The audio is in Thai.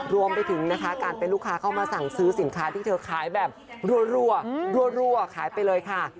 รวมไปถึงนะคะการเป็นลูกค้าเข้ามาสั่งซื้อสินค้าที่เธอขายแบบรั่วขายไปเลยค่ะ